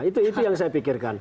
itu yang saya pikirkan